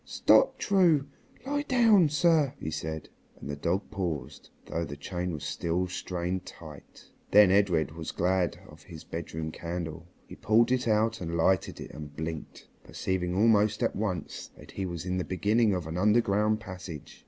"Stop, True; lie down, sir!" he said, and the dog paused, though the chain was still strained tight. Then Edred was glad of his bedroom candle. He pulled it out and lighted it and blinked, perceiving almost at once that he was in the beginning of an underground passage.